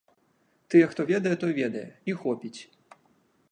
Тыя, хто ведае, той ведае, і хопіць.